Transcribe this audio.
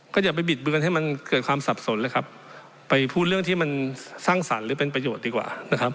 ก็อย่าไปบิดเบือนให้มันเกิดความสับสนเลยครับไปพูดเรื่องที่มันสร้างสรรค์หรือเป็นประโยชน์ดีกว่านะครับ